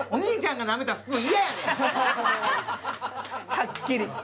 はっきり！